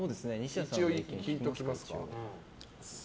一応、聞いておきますか。